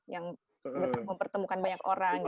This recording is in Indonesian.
yang mempertemukan banyak orang